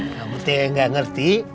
kamu teh nggak ngerti